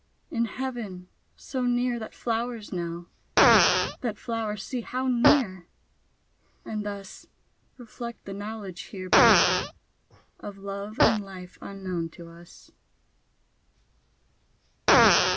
In Heaven! so near that flowers know! That flowers see how near! and thus Reflect the knowledge here below Of love and life unknown to us.